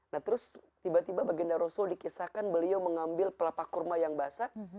nah terus tiba tiba baginda rasul dikisahkan beliau mengambil pelapa kurma yang basah